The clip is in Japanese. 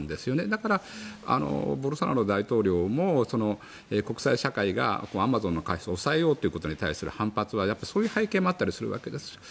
だから、ボルソナロ大統領も国際社会がアマゾンの開発を抑えようということに対する反発はそういう背景もあったりするわけです。